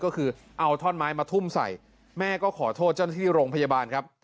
ก็คือเอาท่อนไม้มาทุ่มใส่แม่ก็ขอโทษเจ้าหน้าที่โรงพยาบาลครับ